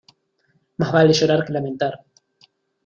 Más vale llorar que lamentar.